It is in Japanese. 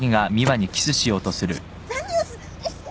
何をするんですか！？